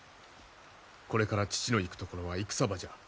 これから父の行く所は戦場じゃ。